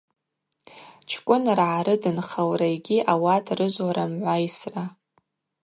Чкӏвынргӏа рыдынхалра йгьи ауат рыжвлара мгӏвайсра.